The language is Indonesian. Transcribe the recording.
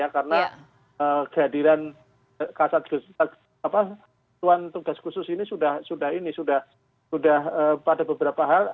karena kehadiran satgas sus ini sudah pada beberapa hal